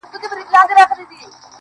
غره = ویاړجن، ویاړن، مغرور، متکبر